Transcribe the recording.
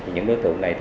những đối tượng này